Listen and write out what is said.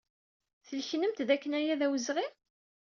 Tleknemt dakken aya d awezɣi?